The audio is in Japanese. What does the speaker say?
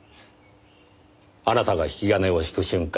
あなたが引き金を引く瞬間